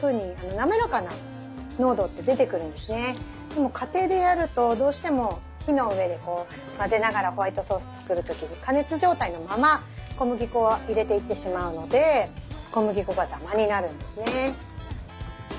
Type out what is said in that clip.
でも家庭でやるとどうしても火の上でこう混ぜながらホワイトソース作る時に加熱状態のまま小麦粉を入れていってしまうので小麦粉がダマになるんですね。